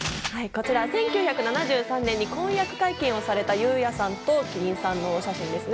１９７３年に婚約会見をされた裕也さんと希林さんのお写真です。